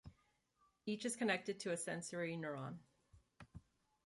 Each is connected to a sensory neuron.